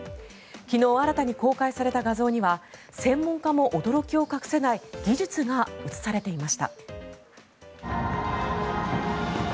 昨日、新たに公開された画像には専門家も驚きを隠せない技術が写されていました。